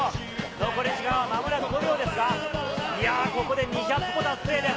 残り時間はまもなく５秒ですが、いやー、ここで２００歩達成です。